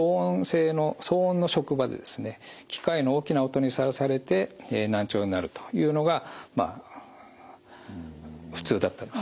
機械の大きな音にさらされて難聴になるというのが普通だったんですね。